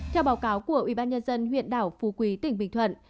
theo báo cáo của ubnd huyện đảo phú quý tỉnh bình thuận